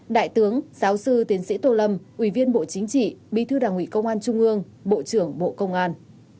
đại tướng giáo sư tiến sĩ tô lâm ủy viên bộ chính trị bí thư đảng ủy công an trung ương bộ trưởng bộ công an